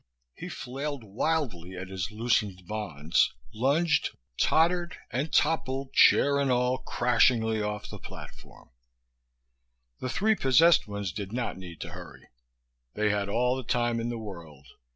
He flailed wildly at his loosened bonds, lunged, tottered and toppled, chair and all, crashingly off the platform. The three possessed ones did not need to hurry. They had all the time in the world.